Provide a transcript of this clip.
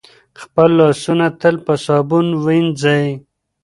خپل لاسونه تل په صابون وینځئ.